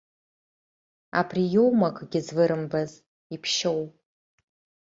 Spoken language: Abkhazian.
Абри иоума акгьы звырымбаз, иԥшьоу?